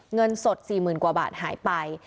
เงินสดสี่หมื่นกว่าบาทหายไป